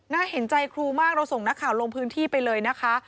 เห็นใจครูมากเราส่งนักข่าวลงพื้นที่ไปเลยนะคะ